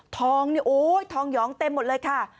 ทองนี่โอ๊ยทองหยองเต็มหมดเลยค่ะ